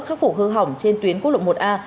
khắc phủ hư hỏng trên tuyến quốc lộ một a